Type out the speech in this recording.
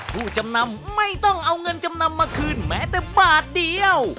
ผู้จำนำไม่ต้องเอาเงินจำนำมาคืนแม้แต่บาทเดียว